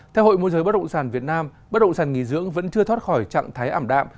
theo hội môi giới bất động sản việt nam bất động sản nghỉ dưỡng vẫn chưa thoát khỏi trạng thái ảm đạm